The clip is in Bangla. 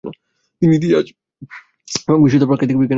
তিনি ইতিহাস এবং বিশেষত প্রাকৃতিক বিজ্ঞানের বিষয়েও আগ্রহী ছিলেন।